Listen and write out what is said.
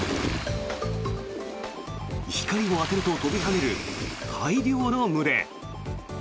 光を当てると跳びはねる大量の群れ。